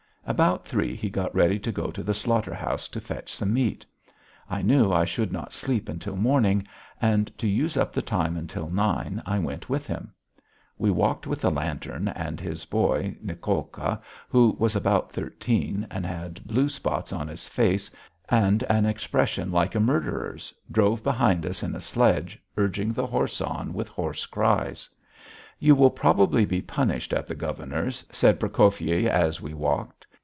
About three he got ready to go to the slaughter house to fetch some meat. I knew I should not sleep until morning, and to use up the time until nine, I went with him. We walked with a lantern, and his boy, Nicolka, who was about thirteen, and had blue spots on his face and an expression like a murderer's, drove behind us in a sledge, urging the horse on with hoarse cries. "You will probably be punished at the governor's," said Prokofyi as we walked.